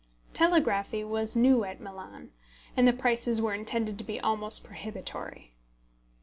Telegraphy was new at Milan, and the prices were intended to be almost prohibitory.